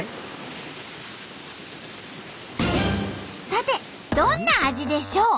さてどんな味でしょう？